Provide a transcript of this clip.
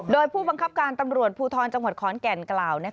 โดยผู้บังคับการตำรวจภูทรจังหวัดขอนแก่นกล่าว